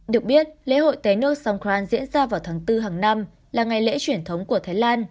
được biết lễ hội ténos songkran diễn ra vào tháng bốn hàng năm là ngày lễ truyền thống của thái lan